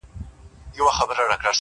زما جانان ګل د ګلاب دی-